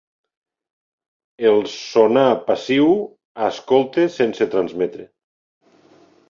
El sonar passiu escolta sense transmetre.